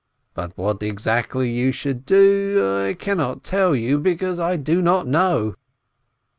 But what exactly you should do, I cannot tell you, because I don't know!